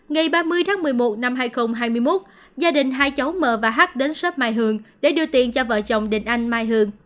ngày ba mươi tháng một mươi một năm hai nghìn hai mươi một gia đình hai cháu m và h đến xóm mai hương để đưa tiền cho vợ chồng đình anh mai hường